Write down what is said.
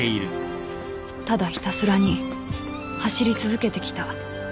［ただひたすらに走り続けてきた］